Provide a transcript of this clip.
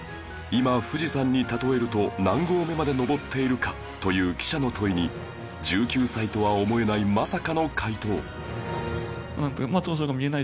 「今富士山に例えると何合目まで登っているか？」という記者の問いに１９歳とは思えないまさかの回答